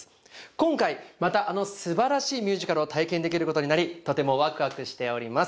今回またあの素晴らしいミュージカルを体験できることになりとてもワクワクしております